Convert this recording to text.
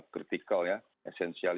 kritikal ya esensial